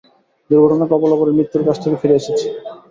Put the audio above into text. দূর্ঘটনার কবলে পড়ে মৃত্যুর কাছ থেকে ফিরে এসেছি।